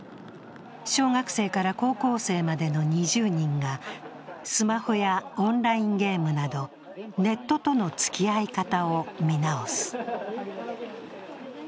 小学生から高校生までの２０人がスマホやオンラインゲームなどネットとのつきあい方を見直す。